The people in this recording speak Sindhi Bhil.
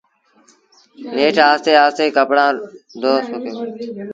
نيٺ آهستي آهستي ڪپڙآ ڌون سکي وُهڙو۔